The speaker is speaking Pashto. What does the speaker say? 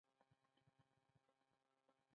مشګڼې د حیواناتو خواړه دي